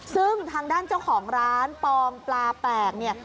ซึ่งทางด้านเจ้าของร้านปองปลาแปลกเนี่ย